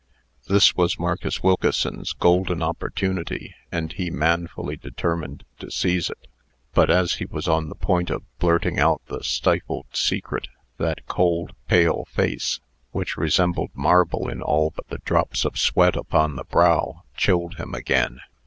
This was Marcus Wilkeson's golden opportunity, and he manfully determined to seize it. But, as he was on the point of blurting out the stifled secret, that cold, pale face which resembled marble in all but the drops of sweat upon the brow chilled him again.